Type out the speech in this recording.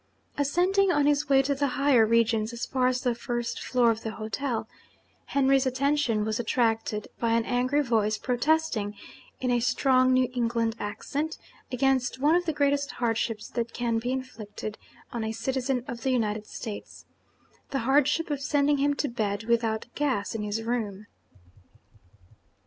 Ascending on his way to the higher regions as far as the first floor of the hotel, Henry's attention was attracted by an angry voice protesting, in a strong New England accent, against one of the greatest hardships that can be inflicted on a citizen of the United States the hardship of sending him to bed without gas in his room.